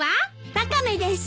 ワカメです。